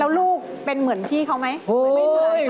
แล้วลูกเป็นเหมือนพี่เขาไหม